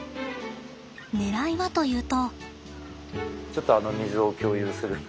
ねらいはというと。